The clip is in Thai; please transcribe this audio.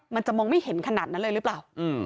มันจะมองไม่เห็นขนาดนั้นเลยหรือเปล่า